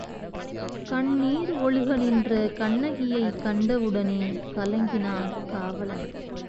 கண்ணிர் ஒழுக நின்ற கண்ணகியைக் கண்டவுடனே கலங்கினான் காவலன்.